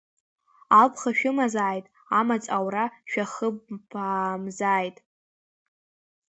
Алԥха шәымазааит, амаҵ аура шәахыбаамзааит!